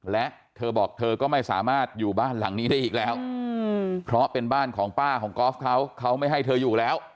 และเธอบอกเธอก็ไม่สามารถอยู่บ้านหลังนี้ได้อีกแล้วเพราะเป็นบ้านของป้าของกอล์ฟเขาเขาไม่ให้เธออยู่แล้ว